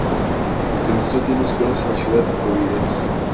El distrito tiene escuelas en la Ciudad de Providence.